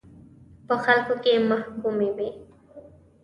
په خلکو کې محکوموي.